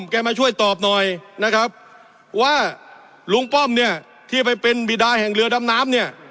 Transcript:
แกมาช่วยตอบหน่อยนะครับว่าลุงป้อมเนี่ยที่ไปเป็นบิดาแห่งเรือดำน้ำเนี่ย